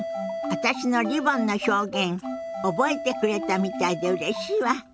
私のリボンの表現覚えてくれたみたいでうれしいわ。